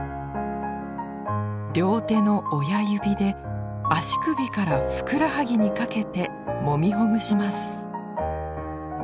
両手の親指で足首からふくらはぎにかけてもみほぐします。